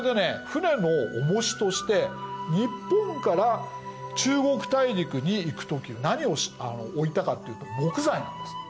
船の重しとして日本から中国大陸に行く時何を置いたかっていうと木材なんです。